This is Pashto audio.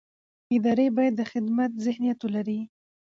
ادارې باید د خدمت ذهنیت ولري